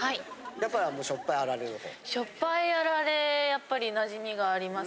やっぱり塩っぱいあられの方？